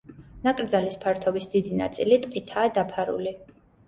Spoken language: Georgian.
ნაკრძალის ფართობის დიდი ნაწილი ტყითაა დაფარული.